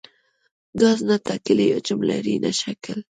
ګاز نه ټاکلی حجم لري نه شکل.